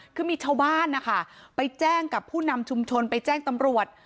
คือมีชาวบ้านนะคะไปแจ้งกับผู้นำชุมชนไปแจ้งตำรวจ